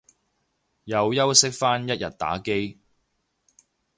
又休息返一日打機